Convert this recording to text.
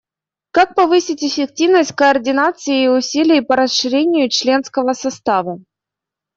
Как повысить эффективность координации и усилий по расширению членского состава?